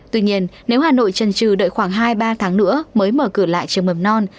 tuy nhiên nếu hà nội trần trừ đợi khoảng hai ba tháng nữa mới mở cửa lại trường mầm non